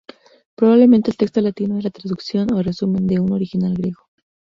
Probablemente el texto latino es la traducción, o el resumen, de un original griego.